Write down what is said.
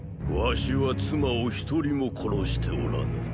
儂は妻を一人も殺しておらぬ。